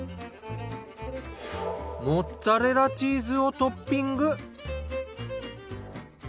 モッツァレラチーズをトッピング。